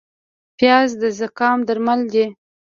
پیاز د زکام درمل دی